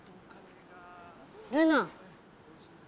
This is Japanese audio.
ルナ。